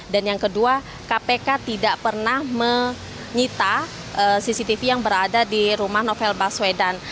dan yang kedua kpk tidak pernah menyita cctv yang berada di rumah novel baswedang